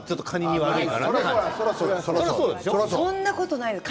そんなことないですよ。